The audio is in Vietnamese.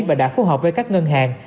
và đã phối hợp với các ngân hàng